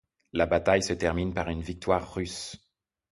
La bataille se termine par une victoire russe.